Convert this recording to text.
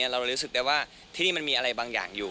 เรารู้สึกได้ว่าที่นี่มันมีอะไรบางอย่างอยู่